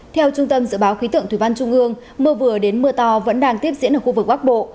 theo trung tâm dự báo khí tượng thủy văn trung ương mưa vừa đến mưa to vẫn đang tiếp diễn ở khu vực bắc bộ